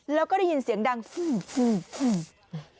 แล้วก็ได้ยินเสียงดังฟึ่มฟึ่มฟึ่ม